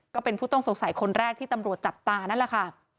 ก็เป็นผู้ต้องสงสัยคนแรกที่ตำรวจจับตานั่นแหละค่ะ